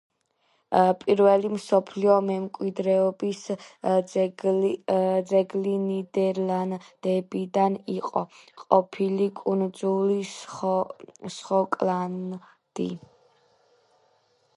პირველი მსოფლიო მემკვიდრეობის ძეგლი ნიდერლანდებიდან იყო ყოფილი კუნძული სხოკლანდი.